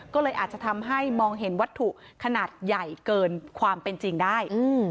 ก็เลยอาจจะทำให้มองเห็นวัตถุขนาดใหญ่เกินความเป็นจริงได้